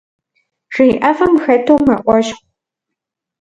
Жей ӏэфӏым хэту мэӏуэщхъу.